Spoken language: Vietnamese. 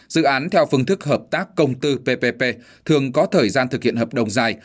dự án theo phương thức hợp tác công tư ppp thường có thời gian thực hiện hợp đồng dài